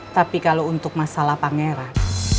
tapi kalau untuk masalah pangeran